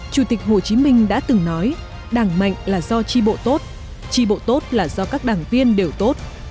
chủ tịch hồ chí minh đã từng nói đảng mạnh là do tri bộ tốt tri bộ tốt là do các đảng viên đều tốt